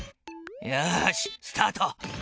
よしスタート。